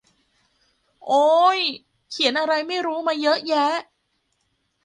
โอ้ย เขียนอะไรไม่รู้มาเยอะแยะ